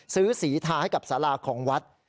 ซื้อสีทาให้กับสาลาของวัด